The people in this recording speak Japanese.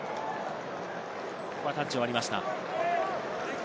タッチを割りました。